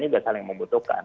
juga saling membutuhkan